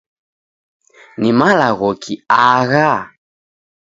Ni malaghoki agha ?